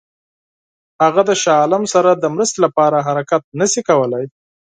هغه د شاه عالم سره د مرستې لپاره حرکت نه شي کولای.